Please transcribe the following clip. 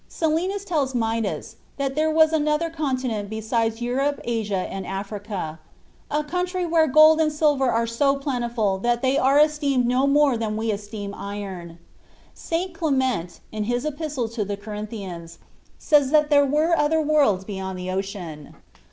Silenus tells Midas that there was another continent besides Europe, Asia, and Africa "a country where gold and silver are so plentiful that they are esteemed no more than we esteem iron." St. Clement, in his Epistle to the Corinthians, says that there were other worlds beyond the ocean.